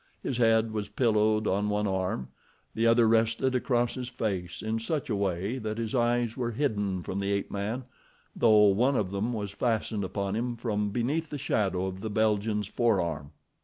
His head was pillowed on one arm, the other rested across his face in such a way that his eyes were hidden from the ape man, though one of them was fastened upon him from beneath the shadow of the Belgian's forearm.